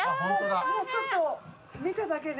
もうちょっと見ただけで。